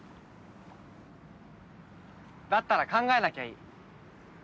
だったら考えなきゃいい。